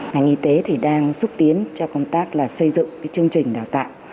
ngành y tế đang xúc tiến cho công tác xây dựng chương trình đào tạo